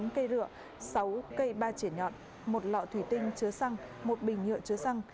tám cây rượu sáu cây ba chỉa nhọt một lọ thủy tinh chứa xăng một bình nhựa chứa xăng